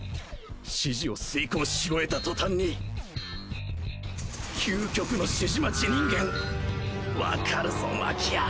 指示を遂行し終えた途端に究極の指示待ち人間わかるぞマキア！